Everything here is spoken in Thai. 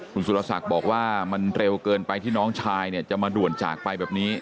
คุณสุรศักดิ์บอกว่ามันเร็วเกินไปที่น้องชายเนี่ยจะมาด่วนจากไปแบบนี้